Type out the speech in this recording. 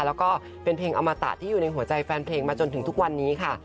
แล้วก็เป็นเพลงอมตะที่อยู่ในหัวใจแฟนเพลงมาจนถึงทุกวันนี้ค่ะ